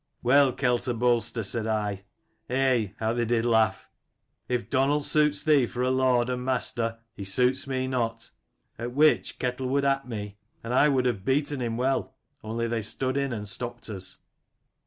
"'Well, Ketel Bolster,' said I eh, how they did laugh ' if Donal suits thee for lord and master, he suits not me.' At which Ketel would at me, and I would have beaten him well, only they stood in and stopped us.